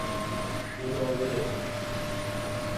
مداوله